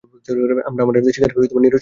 আমরা আমাদের শিকারকে নিরুৎসাহিত করিনি।